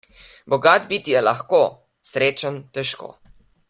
Bogat biti je lahko, srečen - težko.